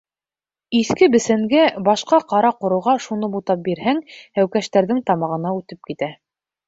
Иҫке бесәнгә, башҡа ҡара-ҡороға шуны бутап бирһәң, һәүкәштәрҙең тамағына үтеп китә.